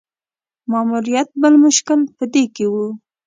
ماموریت بل مشکل په دې کې وو.